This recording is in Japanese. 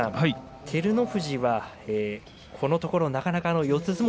照ノ富士はこのところなかなか四つ